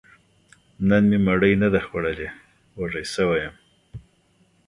نن مې مړۍ نه ده خوړلې، وږی شوی يم